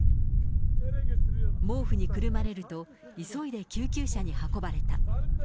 毛布にくるまれると、急いで救急車に運ばれた。